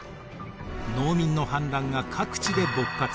農民の反乱が各地で勃発。